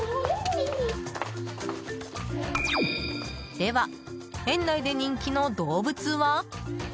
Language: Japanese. では、園内で人気の動物は？